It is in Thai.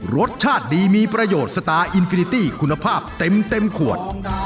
รสชาติดีมีประโยชน์สตาร์อินฟินิตี้คุณภาพเต็มขวด